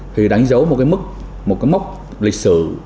thì đánh dấu một cái mốc lịch sử